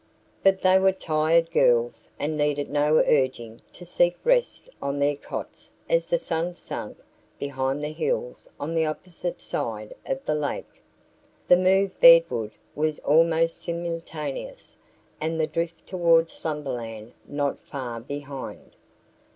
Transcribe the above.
But they were tired girls and needed no urging to seek rest on their cots as the sun sunk behind the hills on the opposite side of the lake. The move "bedward" was almost simultaneous and the drift toward slumberland not far behind.